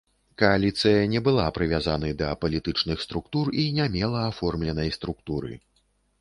Кааліцыя не была прывязаны да палітычных структур і не мела аформленай структуры.